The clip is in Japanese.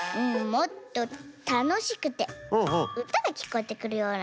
もっとたのしくてうたがきこえてくるようなね。